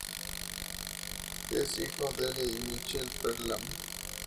Es hijo de Dale y Michele Perelman.